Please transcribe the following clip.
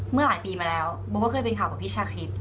เมื่อหลายปีมาแล้วโบก็เคยเป็นข่าวกับพี่ชาคริส